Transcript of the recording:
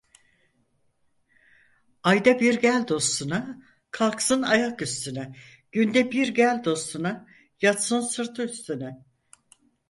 Ayda bir gel dostuna, kalksın ayak üstüne; günde bir gel dostuna, yatsın sırtı üstüne.